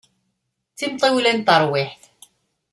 D timṭiwla n terwiḥt.